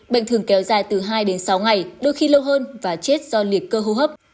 bệnh thường kéo dài từ hai đến sáu ngày đôi khi lâu hơn và chết do liệt cơ hô hấp